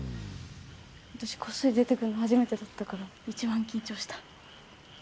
私、こっそりに出てくるの初めてだったから一番緊張した。